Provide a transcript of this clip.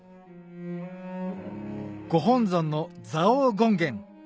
ご本尊の蔵王権現